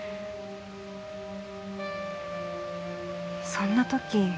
そんな時。